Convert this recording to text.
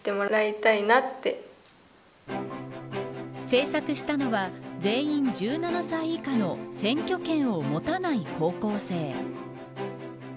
制作したのは全員、１７歳以下の選挙権を持たない高校生。